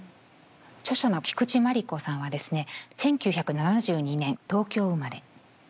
著者の菊池真理子さんはですね１９７２年東京生まれ。